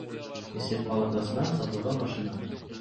Эсеп палатасына сатылган машина